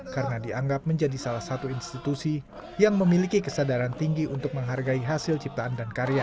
karena dianggap menjadi salah satu institusi yang memiliki kesadaran tinggi untuk menghargai hasil ciptaan dan karya